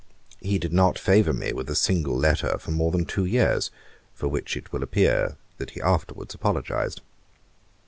He did not favour me with a single letter for more than two years, for which it will appear that he afterwards apologised.